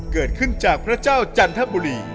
เกิดขึ้นจากพระเจ้าจันทบุรี